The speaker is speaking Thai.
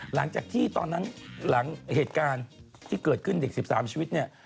หลังจากที่ตอนนั้นหลังเหตุการณ์ที่เกิดขึ้นเด็ก๑๓ชีวิตเนี่ย